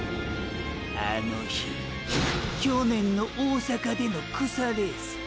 あの日去年の大阪での草レース